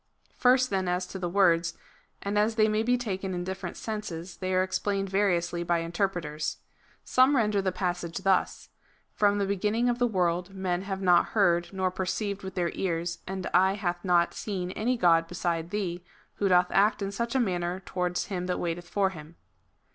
First then as to the words ; and as they may be taken in different senses, they are explained variously by interpreters. Some render the passage thus :" From the beginning of the world men have not heard, nor perceived with their ears, and eye hath not seen any god beside Thee, who doth act in such a manner towards him that waiteth for him."